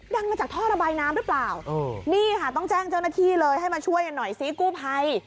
มาจากท่อระบายน้ำหรือเปล่านี่ค่ะต้องแจ้งเจ้าหน้าที่เลยให้มาช่วยกันหน่อยซิกู้ภัย